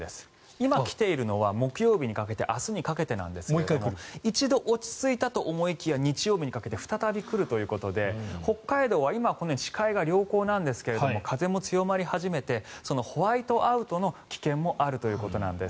今、来ているのは明日にかけてなんですが一度落ち着いたと思いきや日曜日にかけて再び来るということで北海道は今、視界が良好なんですが風も強まり始めてホワイトアウトの危険もあるということなんです。